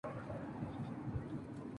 El baterista Tom Webb dejó la banda.